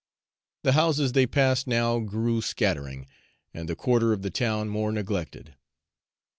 The houses they passed now grew scattering, and the quarter of the town more neglected.